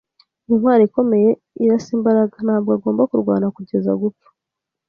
Intwali ikomeye irasa imbaraga. Ntabwo agomba kurwana kugeza gupfa.